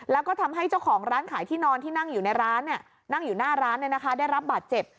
แล้วก็ทำให้เจ้าของร้านขายที่นอนที่นั่งอยู่ในร้านนั่งอยู่หน้าร้านได้รับบาดเจ็บ